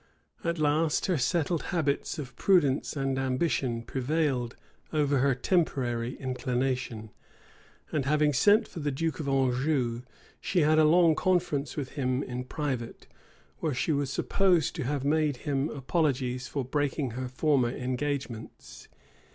At last her settled habits of prudence and ambition prevailed over her temporary inclination; and having sent for the duke of Anjou, she had a long conference with him in private, where she was supposed to have made him apologies for breaking her former engagements.